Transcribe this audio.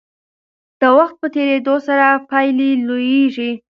د وخت په تیریدو سره پایلې لویېږي.